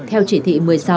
theo chỉ thị một mươi sáu